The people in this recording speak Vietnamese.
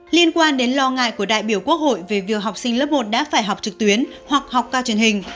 liên quan đến lo ngại của đại biểu quốc hội về việc học sinh lớp một đã phải học trực tuyến hoặc học cao truyền hình